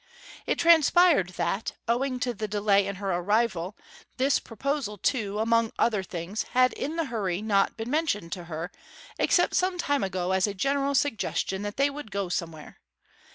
It transpired that, owing to the delay in her arrival, this proposal too, among other things, had in the hurry not been mentioned to her, except some time ago as a general suggestion that they would go somewhere.